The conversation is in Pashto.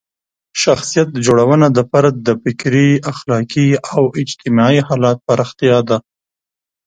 شخصیت جوړونه د فرد د فکري، اخلاقي او اجتماعي حالت پراختیا ده.